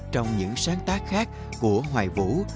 trong những sáng tác khác của hoài vũ